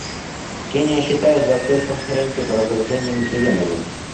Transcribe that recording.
Кения считает застой в Конференции по разоружению неприемлемым.